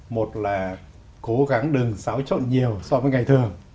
một là cố gắng đừng xáo trộn nhiều so với ngày thường